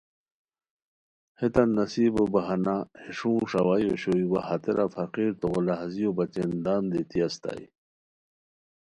ہیتان نصیبو بہانہ ہے شونگ ݰاوائے اوشوئے وا ہتیرا فقیر توغو لہازیو بچین دم دیتی استائے